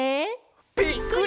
「ぴっくり！